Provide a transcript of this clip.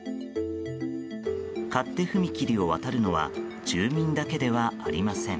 勝手踏切を渡るのは住民だけではありません。